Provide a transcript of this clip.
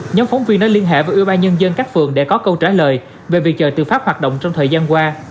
nhóm phóng viên đã liên hệ với ưu ba nhân dân các phường để có câu trả lời về việc chợ tự phát hoạt động trong thời gian qua